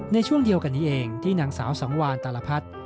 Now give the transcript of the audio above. ในช่วงเดียวกันนี้เองที่นางสาวสังวานตาลพัฒน์